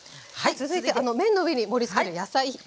続いてあの麺の上に盛りつけてる野菜ですね。